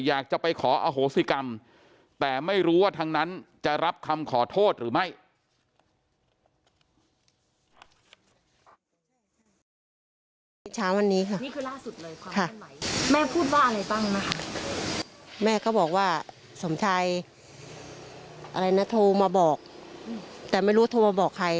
อยากจะไปขออโหสิกรรมแต่ไม่รู้ว่าทางนั้นจะรับคำขอโทษหรือไม่